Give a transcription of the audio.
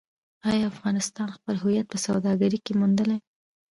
آیا افغانستان خپل هویت په سوداګرۍ کې موندلی؟